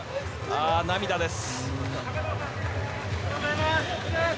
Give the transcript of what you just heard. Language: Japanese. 涙です。